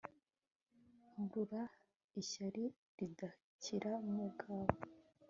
Nkurura ishyari ridakira mubawe